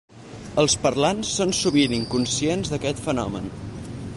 Els parlants són sovint inconscients d'aquest fenomen.